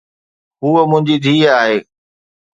ھوءَ منھنجي ڌيءَ آھي.